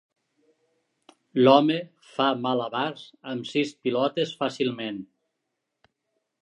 L'home fa malabars amb sis pilotes fàcilment.